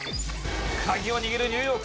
鍵を握るニューヨーク。